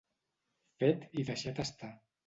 Fet i deixat estar.